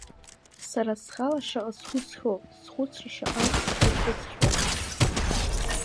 Сара схала шаҟа схәыцхьоу, схәыцра шаҟантә исырҿыцхьоу…